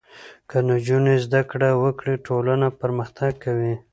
که نجونې زده کړې وکړي ټولنه پرمختګ کوي.